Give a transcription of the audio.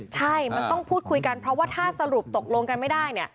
ใช่มันต้องพูดคุยกันเพราะว่าถ้าสรุปตกลงกันไม่ได้